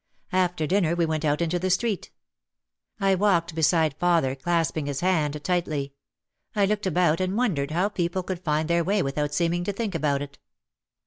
After dinner we went out into the street. I walked beside father, clasping his hand tightly. I looked about and wondered how people could find their way without seeming to think about it.